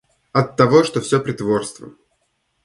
Оттого что всё притворство!